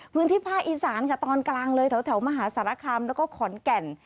พื้นที่ภาคอีสานค่ะตอนกลางเลยแถวมหาสารคามแล้วก็ขอนแก่น